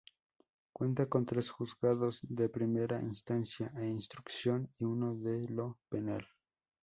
Cuenta con tres juzgados de Primera Instancia e Instrucción y uno de lo Penal.